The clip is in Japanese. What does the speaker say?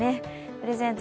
プレゼント